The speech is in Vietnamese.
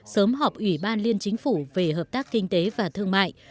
sớm họp ủy ban liên chính phủ về hợp tác kinh tế và thương mại